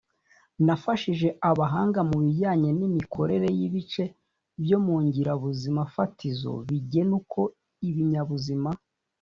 Nafashije abahanga mu bijyanye n imikorere y ibice byo mu ngirabuzimafatizo bigena uko ibinyabuzima